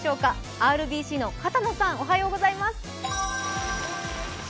ＲＢＣの片野さん、おはようございます。